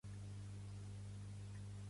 Pertany al moviment independentista el Gerard?